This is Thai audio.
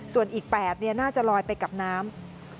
ส่วนอีก๘น่าจะลอยไปกับน้ำ